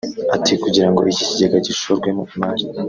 Ati “Kugira ngo iki kigega gishorwemo imari